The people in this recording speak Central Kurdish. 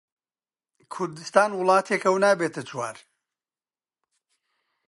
کوردستان وڵاتێکە و نابێتە چوار